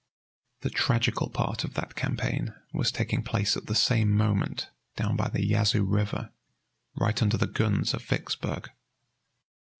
The tragical part of that campaign was taking place at the same moment down by the Yazoo River, right under the guns of Vicksburg.